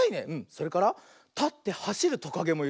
それからたってはしるトカゲもいるね。